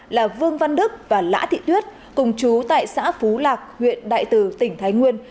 là vương văn đức và lã thị tuyết cùng chú tại xã phú lạc huyện đại từ tỉnh thái nguyên